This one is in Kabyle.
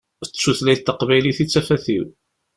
D tutlayt taqbaylit i d tafat-iw.